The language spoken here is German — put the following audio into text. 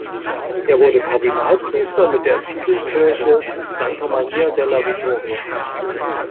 Er wurde Kardinalpriester mit der Titelkirche "Santa Maria della Vittoria".